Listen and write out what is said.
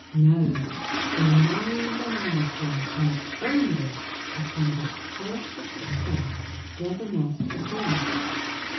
No, their minds and eyes were intent only upon that square foot of space where the nest had been.